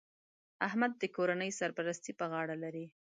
احمد د کورنۍ سرپرستي په غاړه لري